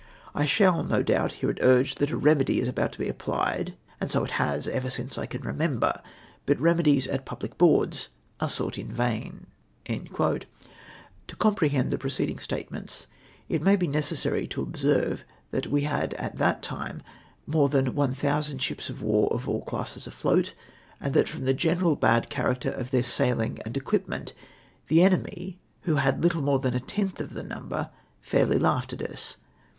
" I shall, no doubt, hear it urged that a remedy is about to be applied, and so it has ever since I can remember, but remedies at public boards are sought in vain." To comprehend the preceding statements, it may be necessary to observe that we had at that time more than 1000 ships of war of all classes afloat, and that from the g eneral bad character of their sailino and o O equipment, the enemy, ^vlio had little more than a tenth of the number, fairly laughed at us.